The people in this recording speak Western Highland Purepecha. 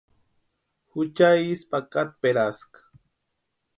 Jucha isï pakatperaska.